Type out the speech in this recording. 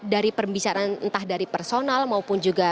dari pembicaraan entah dari personal maupun juga dari pemerintah